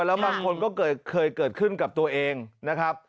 แล้วบางคนก็เคยเกิดขึ้นกับตัวเองนะครับ